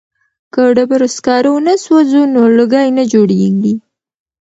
که ډبرو سکاره ونه سوځوو نو لوګی نه جوړیږي.